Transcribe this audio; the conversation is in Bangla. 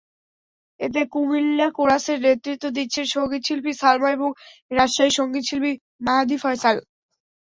এতে কুমিল্লা কোরাসের নেতৃত্ব দিচ্ছেন সংগীতশিল্পী সালমা এবং রাজশাহীর সংগীতশিল্পী মাহাদি ফয়সাল।